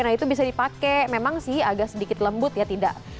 nah itu bisa dipakai memang sih agak sedikit lembut ya tidak